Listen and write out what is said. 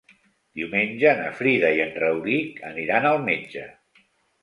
Diumenge na Frida i en Rauric aniran al metge.